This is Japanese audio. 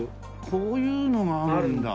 こういうのがあるんだ。